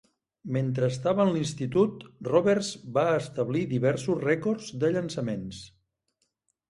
Mentre estava en l'institut, Roberts va establir diversos rècords de llançaments.